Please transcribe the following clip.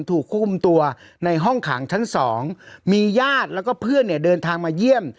ถูกควบคุมตัวในห้องขังชั้นสองมีญาติแล้วก็เพื่อนเนี่ยเดินทางมาเยี่ยม